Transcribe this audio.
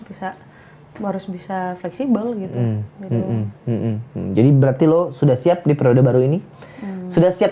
bisa harus bisa fleksibel gitu jadi berarti lo sudah siap di periode baru ini sudah siap